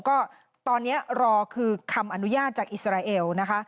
ก็ตอนนี้รอคือคำอนุญาตจากอิสราเอลนะคะ